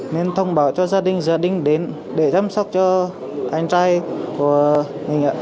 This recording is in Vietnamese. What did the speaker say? nên thông báo cho gia đình gia đình đến để chăm sóc cho anh trai của mình